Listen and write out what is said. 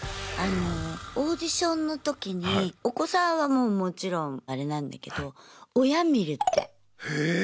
オーディションのときにお子さんはもちろんあれなんだけどへえ。